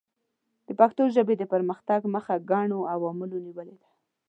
د پښتو ژبې د پرمختګ مخه ګڼو عواملو نیولې ده.